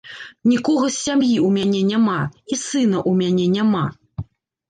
Нікога з сям'і ў мяне няма, і сына ў мяне няма!